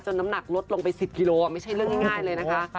น้ำหนักลดลงไป๑๐กิโลไม่ใช่เรื่องง่ายเลยนะคะ